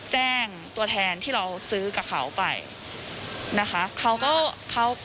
แจ้งตัวแทนที่เราซื้อกับเขาไปนะคะ